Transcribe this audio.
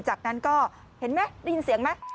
จากนั้นก็เห็นไหมได้ยินเสียงไหม